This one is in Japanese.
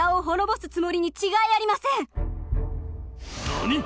何！？